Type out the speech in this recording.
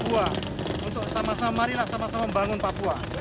untuk sama sama marilah sama sama membangun papua